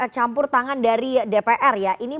campur tangan dari dpr ya ini